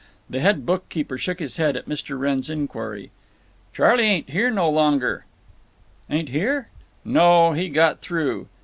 The head bookkeeper shook his head at Mr. Wrenn's inquiry: "Charley ain't here any longer." "Ain't here?" "No. He got through.